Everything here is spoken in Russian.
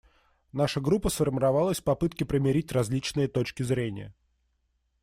Наша группа сформировалась в попытке примирить различные точки зрения.